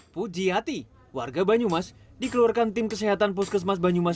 puji hati warga banyumas dikeluarkan tim kesehatan puskesmas banyumas